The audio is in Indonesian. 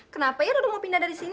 kenapa ya duduk mau pindah dari sini